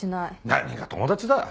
何が友達だ。